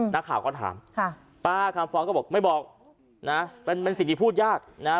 นักข่าวก็ถามค่ะป้าคำฟ้องก็บอกไม่บอกนะเป็นสิ่งที่พูดยากนะฮะ